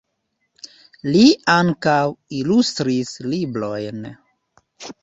Li ankaŭ ilustris librojn.